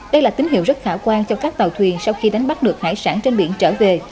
đây là tín hiệu rất khả quan cho các tàu thuyền sau khi đánh bắt được hải sản trên biển trở về